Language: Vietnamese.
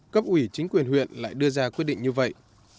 cấp ủy chính quyền huyện lại đưa ra quyết định như vậy